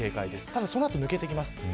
ただその後、抜けていきます。